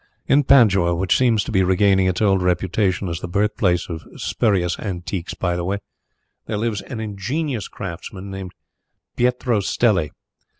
In Padua, which seems to be regaining its old reputation as the birthplace of spurious antiques, by the way, there lives an ingenious craftsman named Pietro Stelli.